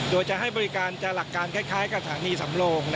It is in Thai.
โดยจะให้บริการจะหลักการคล้ายกับสถานีสำโลง